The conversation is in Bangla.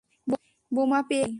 বোমা পেয়ে গেছি।